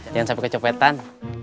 jangan sampai kecepetan